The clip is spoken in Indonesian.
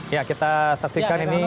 ya kita saksikan ini